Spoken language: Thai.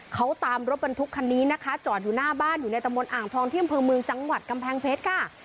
เขาตามรถบรรทุกคันนี้นะคะจอดอยู่หน้าบ้านอยู่ในตำบลอ่างทองที่อำเภอเมืองจังหวัดกำแพงเพชรค่ะ